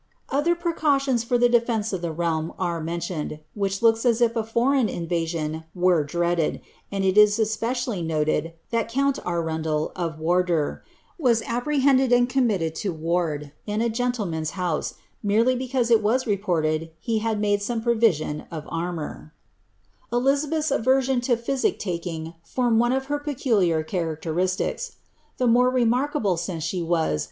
Other precaulinni far the defence of the realm are menlinned, whkh looks as if a foreisn b vasiiiii were dreaded ; end it is especially noted iliat count Arunarl, rf Warrlour, was apprehended and commiited lo ward, id & gentharMii'i house, merely because it was reported that he had made some proiMwu Elizabeth's flversion to phyeic laking formed one of her peculiar rin raclrristicB ; the more rer"' ^"—'— she was.